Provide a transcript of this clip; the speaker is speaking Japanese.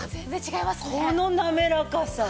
このなめらかさ。